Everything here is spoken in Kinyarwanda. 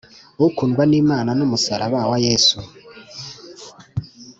ukundwa n'lmana n’ umusaraba wa yesu